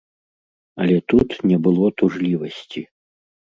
Але тут не было тужлівасці.